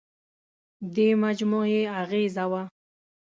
دې مجموعې اغېزه وه.